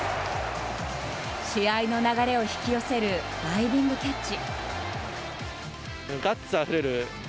試合の流れを引き寄せるダイビングキャッチ。